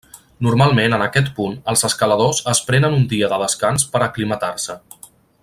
Normalment en aquest punt, els escaladors es prenen un dia de descans per aclimatar-se.